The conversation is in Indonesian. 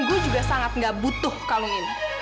gak apa apa sih nanda